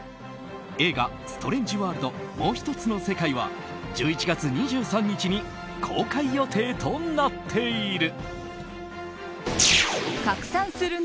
映画「ストレンジ・ワールド／もうひとつの世界」は１１月２３日に公開予定となっている。